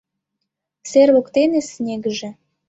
Сер воктене снегыже